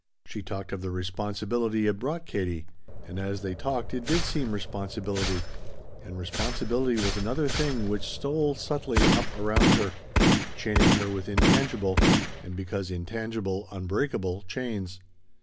She talked of the responsibility it brought Katie, and as they talked it did seem responsibility, and responsibility was another thing which stole subtly up around her, chaining her with intangible and because intangible, unbreakable chains.